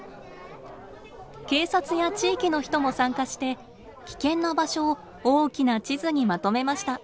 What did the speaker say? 警察や地域の人も参加して危険な場所を大きな地図にまとめました。